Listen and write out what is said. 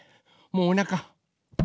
もうおなか。